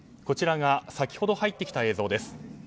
こちらが先ほど入ってきた映像です。